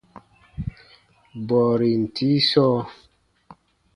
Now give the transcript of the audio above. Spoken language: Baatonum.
Bɔɔrin tii sɔɔ.